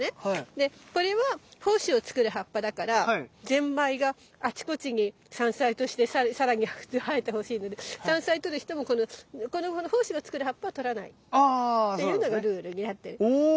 でこれは胞子を作る葉っぱだからゼンマイがあちこちに山菜として更に生えてほしいので山菜とる人もこの胞子を作る葉っぱはとらないっていうのがルールになってる。